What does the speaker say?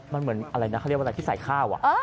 มันเหมือนอะไรนะเขาเรียกว่าอะไรที่ใส่ข้าว